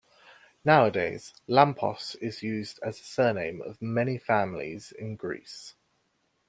Nowadays, Lampos is used as a surname of many families in Greece.